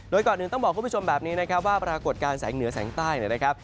โดยก่อนอื่นต้องบอกคุณผู้ชมแบบนี้นะครับว่าปรากฏการณ์แสงเหนือแสงใต้เนี่ยนะครับ